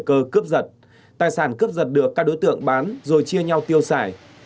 cướp giật tài sản cướp giật được các đối tượng bán rồi chia nhau tiêu xài